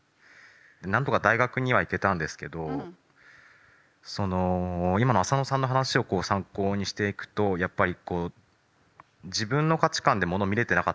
何とか大学には行けたんですけどその今のあさのさんの話を参考にしていくとやっぱり自分の価値観でものを見れてなかったんですよ。